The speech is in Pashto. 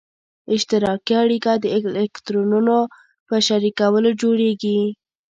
اشتراکي اړیکه د الکترونونو په شریکولو جوړیږي.